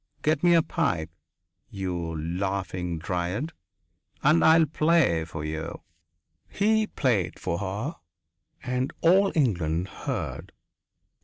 Get me my pipe, you laughing dryad, and I will play for you." He played for her and all England heard.